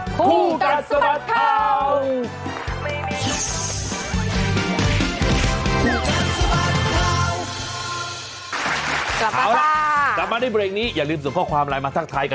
ผู้กันสมัครเท่า